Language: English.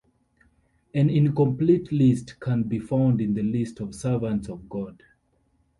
An incomplete list can be found in the List of Servants of God.